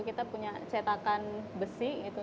kita punya cetakan besi gitu